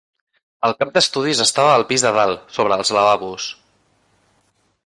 El cap d'estudis estava al pis de dalt, sobre els lavabos.